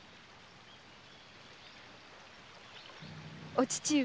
お父上。